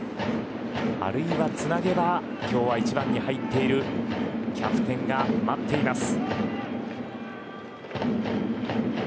あるいは、つなげば今日は１番に入っているキャプテンが待っています。